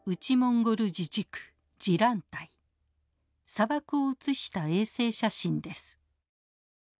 砂漠を写した衛星写真です。